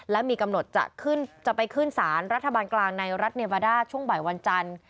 และมีกำหนดจะไปขึ้นสารรัฐบาลกลางในรัฐเนวาด้าช่วงบ่ายวันจันทร์